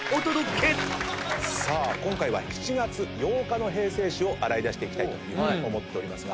今回は７月８日の平成史を洗い出していきたいというふうに思っておりますが。